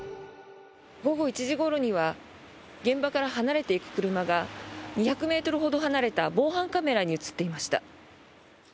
午後１時ごろには現場から離れていく車が２００ｍほど離れた防犯カメラに映っていました。